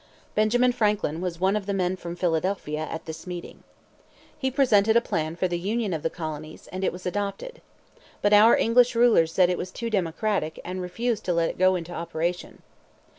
Benjamin Franklin was one of the men from Pennsylvania at this meeting. He presented a plan for the union of the colonies, and it was adopted. But our English rulers said it was too democratic, and refused to let it go into operation.